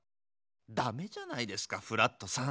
駄目じゃないですかフラットさん。